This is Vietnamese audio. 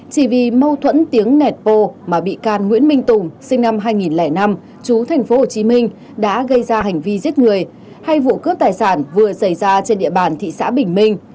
chỉ vì mâu thuẫn tiếng nẹt bồ mà bị can nguyễn minh tùng sinh năm hai nghìn năm chú thành phố hồ chí minh đã gây ra hành vi giết người hay vụ cướp tài sản vừa xảy ra trên địa bàn thị xã bình minh